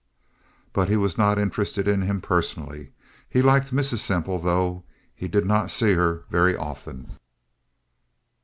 But he was not interested in him personally. He liked Mrs. Semple, though he did not see her very often.